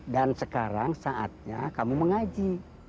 dan sekarang saatnya kamu mengaji